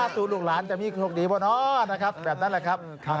ดูลูกหลานจะมีกลุ่มโชคดีบ้างอ๋อแบบนั้นแหละครับ